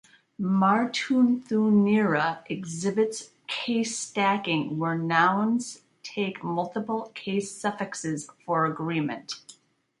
Martuthunira exhibits case stacking, where nouns take multiple case suffixes for agreement.